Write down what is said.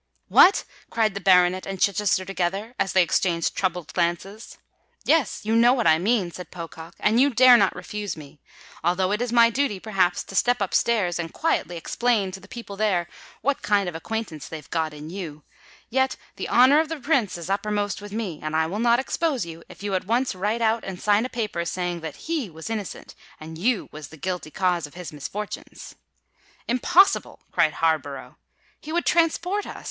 "What?" cried the baronet and Chichester together, as they exchanged troubled glances. "Yes—you know what I mean," said Pocock; "and you dare not refuse me. Although it is my duty, perhaps, to step up stairs and quietly explain to the people there what kind of acquaintances they have got in you, yet the honour of the Prince is uppermost with me; and I will not expose you, if you at once write out and sign a paper saying that he was innocent and you was the guilty cause of his misfortunes." "Impossible!" cried Harborough. "He would transport us!"